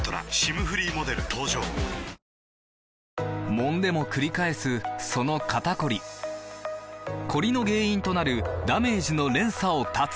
もんでもくり返すその肩こりコリの原因となるダメージの連鎖を断つ！